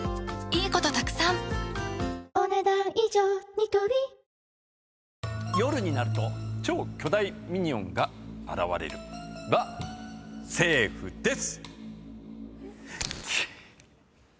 ニトリ夜になると超巨大ミニオンが現れるはセーフです！